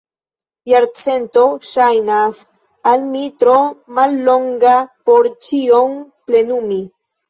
Jarcento ŝajnas al mi tro mallonga, por ĉion plenumi!